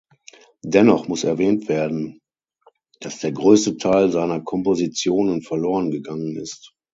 Dennoch muss erwähnt werden, dass der größte Teil seiner Kompositionen verloren gegangen ist.